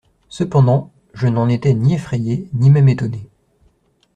Cependant, je n'en étais ni effrayé ni même étonné.